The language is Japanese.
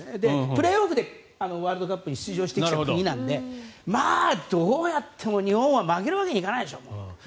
プレーオフでワールドカップに出場してきた国なのでどうやっても日本は負けるわけにはいかないでしょ。